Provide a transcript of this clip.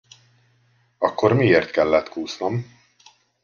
Akkor miért kellett kúsznom?